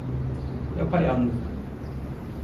Yapayalnızım.